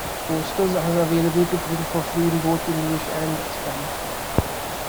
Posters are available to print for free in both English and Spanish.